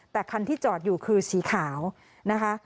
แต่คันที่จอดอยู่คือสีขาวนะคะ